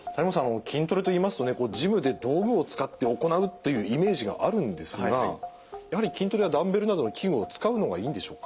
筋トレといいますとねジムで道具を使って行うというイメージがあるんですがやはり筋トレはダンベルなどの器具を使うのがいいんでしょうか。